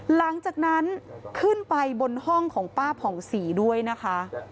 หลังจากนั้นขึ้นไปบนห้องของป้าผ่องศรีด้วยนะคะ